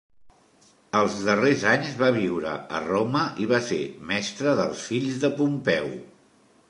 Als darrers anys va viure a Roma i va ser mestre dels fills de Pompeu.